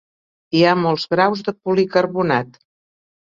Hi ha molts graus de policarbonat.